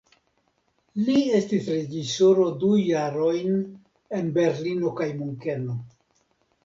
Li estis reĝisoro du jarojn en Berlino kaj Munkeno.